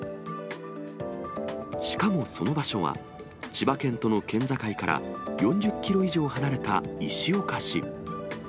しかもその場所は、千葉県との県境から４０キロ以上離れた石岡市。